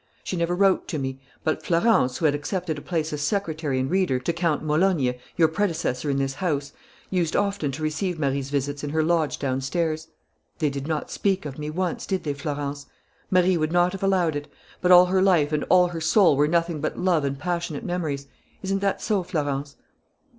She never wrote to me. But Florence, who had accepted a place as secretary and reader to Count Malonyi, your predecessor in this house, used often to receive Marie's visits in her lodge downstairs. "They did not speak of me once, did they, Florence? Marie would not have allowed it. But all her life and all her soul were nothing but love and passionate memories. Isn't that so, Florence?